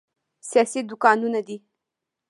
سیاسي دوکانونه دي.